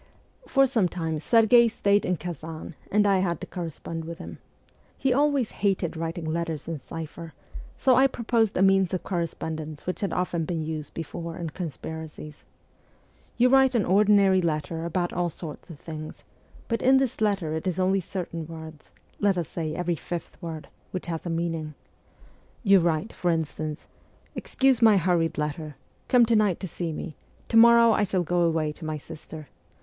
For some time Serghei stayed in Kazdn, and I had to correspond with him. Headways hated writing letters in cipher, so I proposed a means of corre spondence which had often been used before in conspira cies. You write an ordinary letter about all sorts of things, but in this letter it is only certain words let us ST. PETERSBURG 113 say, every fifth word which has a meaning. You write, for instance :' Excuse my hurried letter. Come to night to see me ; to morrow I shall go away to my sister.